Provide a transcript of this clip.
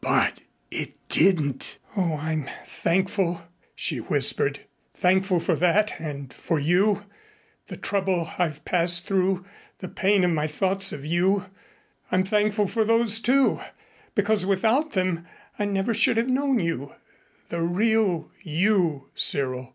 "But it didn't " "Oh, I'm thankful," she whispered. "Thankful for that and for you the trouble I've passed through the pain of my thoughts of you I'm thankful for those too, because without them I never should have known you the real you, Cyril.